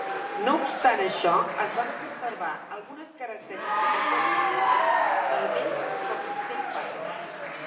No obstant això, es van conservar algunes característiques de disseny del vell Comiskey Park.